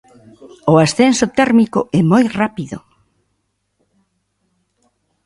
O ascenso térmico é moi rápido.